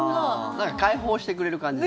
だから解放してくれる感じだ。